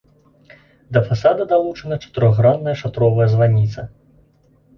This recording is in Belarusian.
Да фасада далучана чатырохгранная шатровая званіца.